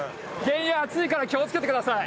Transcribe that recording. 原油熱いから気をつけてください。